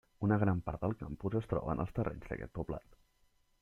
Una gran part del campus es troba en els terrenys d'aquest poblat.